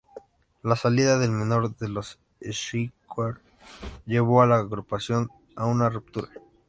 La salida del menor de los Schenker llevó a la agrupación a una ruptura.